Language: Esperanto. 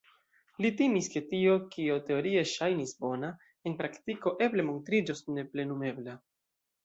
Li timis, ke tio, kio teorie ŝajnis bona, en praktiko eble montriĝos neplenumebla.